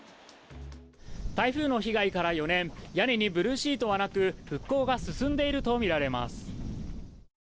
台風の被害から４年、屋根にブルーシートはなく復興が進んでいるとみられます。